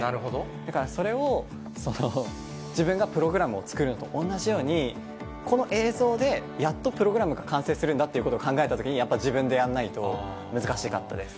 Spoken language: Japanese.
だからそれを、自分がプログラムを作るのと同じように、この映像でやっとプログラムが完成するんだということを考えたときに、やっぱり自分でやんないと難しかったです。